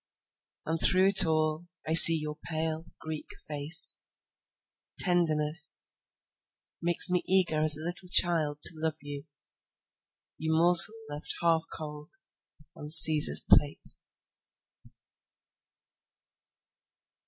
And through it all I see your pale Greek face; TendernessMakes me eager as a little child to love you, You morsel left half cold on Cæsar's plate.